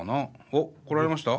おっ！来られました？